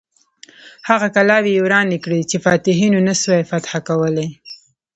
هغه کلاوې یې ورانې کړې چې فاتحینو نه سوای فتح کولای.